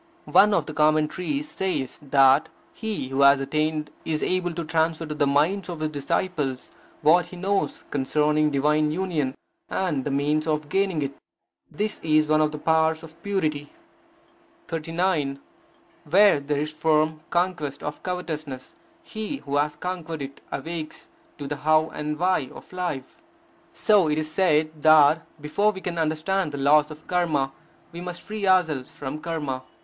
One of the commentaries says that he who has attained is able to transfer to the minds of his disciples what he knows concerning divine union, and the means of gaining it. This is one of the powers of purity. 39. Where there is firm conquest of covetousness, he who has conquered it awakes to the how and why of life. So it is said that, before we can understand the laws of Karma, we must free ourselves from Karma.